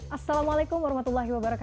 assalamualaikum wr wb